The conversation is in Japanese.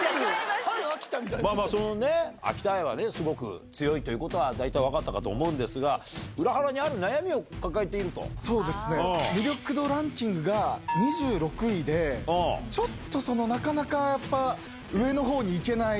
まあまあ、秋田愛はすごく、強いということは大体分かったかと思うんですが、裏腹にある悩みそうですね、魅力度ランキングが２６位で、ちょっとなかなかやっぱ、上のほうにいけない。